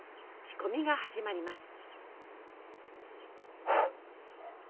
仕込みが始まります。